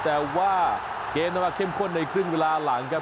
แต่ว่าเกมนั้นมาเข้มข้นในครึ่งเวลาหลังครับ